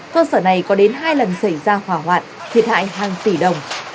cơ sở này có đến hai lần xảy ra hòa hoạt thiệt hại hàng tỷ đồng